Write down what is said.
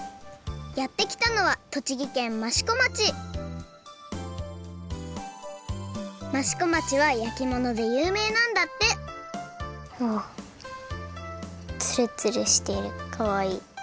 やってきたのは益子町はやきものでゆうめいなんだってあっツルツルしてるかわいい。